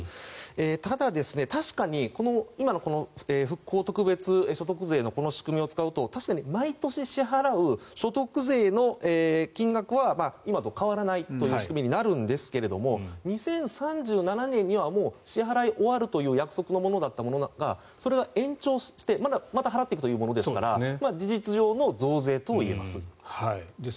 ただ、確かに今のこの復興特別所得税の仕組みを使うと確かに毎年支払う所得税の金額は今と変わらないという仕組みになるんですが２０３７年にはもう支払い終わるという約束のものだったものがそれが延長されてまた払っていくというものですから事実上の増税といえます。